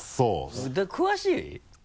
詳しい？